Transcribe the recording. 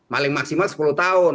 paling maksimal sepuluh tahun